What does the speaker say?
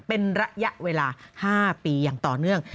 เป็นระยะเวลา๕ปีอย่างต่อเนื่อง